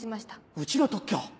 うちの特許を？